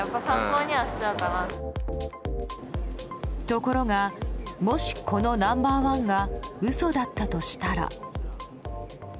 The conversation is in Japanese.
ところがもし、このナンバー１が嘘だったとしたら。